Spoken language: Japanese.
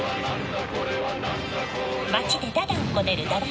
街で駄々をこねる駄々っ子。